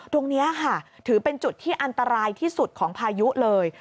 ตรงนี้ค่ะถือเป็นจุดที่อันตรายที่สุดของพายุเลย